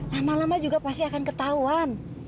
lama lama juga pasti akan ketahuan